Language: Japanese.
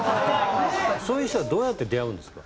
そういう人はどうやって出会うんですか？